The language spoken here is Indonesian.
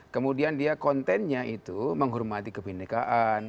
kemudian dia kontennya itu menghormati kebenekaan